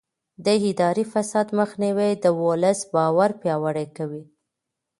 د اداري فساد مخنیوی د ولس باور پیاوړی کوي.